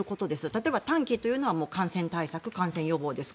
例えば短期というのは感染対策感染予防です。